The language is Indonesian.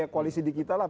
koalisi di kita lah